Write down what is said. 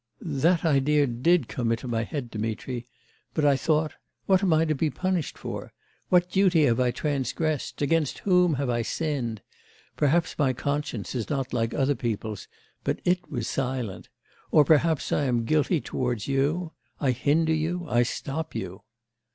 'That idea did come into my head, Dmitri. But I thought: what am I to be punished for? What duty have I transgressed, against whom have I sinned? Perhaps my conscience is not like other people's, but it was silent; or perhaps I am guilty towards you? I hinder you, I stop you.